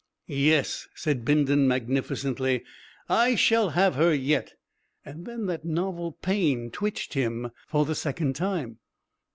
"Yes," said Bindon, magnificently, "I shall have her yet." And then that novel pain twitched him for the second time.